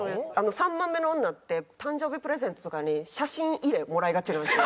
３番目の女って誕生日プレゼントとかに写真入れもらいがちなんですよ。